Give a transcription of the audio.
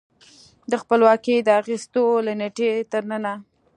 د خپلواکۍ د اخیستو له نېټې تر ننه